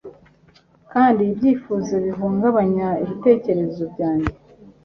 kandi ibyifuzo bihungabanya ibitekerezo byanjye